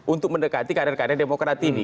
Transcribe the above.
untuk mendekati karir karir demokrat ini